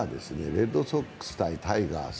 レッドソックス×タイガース。